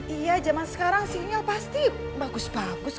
iya zaman sekarang sinyal pasti bagus bagus